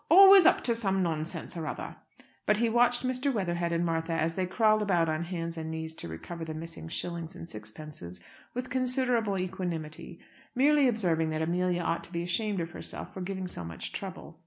Always up to some nonsense or other." But he watched Mr. Weatherhead and Martha as they crawled about on hands and knees to recover the missing shillings and sixpences, with considerable equanimity; merely observing that Amelia ought to be ashamed of herself for giving so much trouble.